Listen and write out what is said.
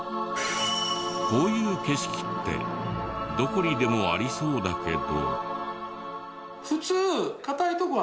こういう景色ってどこにでもありそうだけど。